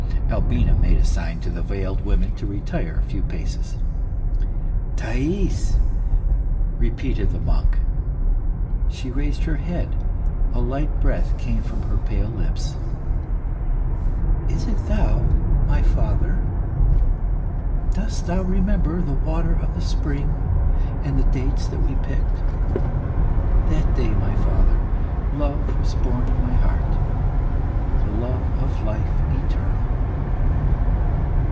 Albina made a sign to the veiled women to retire a few paces. "Thais!" repeated the monk. She raised her head; a light breath came from her pale lips. "Is it thou, my father? ... Dost thou remember the water of the spring, and the dates that we picked? ... That day, my father, love was born in my heart the love of life eternal."